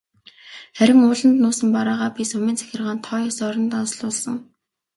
Харин ууланд нуусан бараагаа би сумын захиргаанд тоо ёсоор нь данслуулсан.